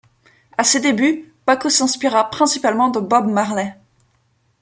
À ses débuts Baco s'inspira principalement de Bob Marley.